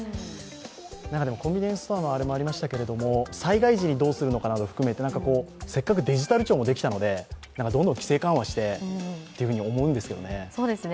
コンビニエンスストアのあれもありましたけど、災害時にどうするかも含めてせっかくデジタル庁もできたのでどんどん規制緩和してと思うんですけどね。